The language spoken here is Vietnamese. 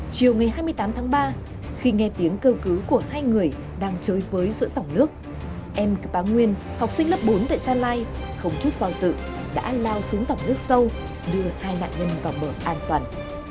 chiều ngày hai mươi tám tháng ba khi nghe tiếng kêu cứu của hai người đang chơi với giữa dòng nước em cơ bá nguyên học sinh lớp bốn tại gia lai không chút so dự đã lao xuống dòng nước sâu đưa hai nạn nhân vào bờ an toàn